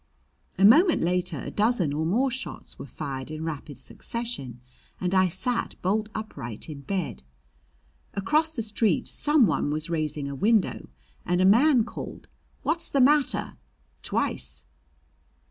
A moment later a dozen or more shots were fired in rapid succession and I sat bolt upright in bed. Across the street some one was raising a window, and a man called "What's the matter?" twice.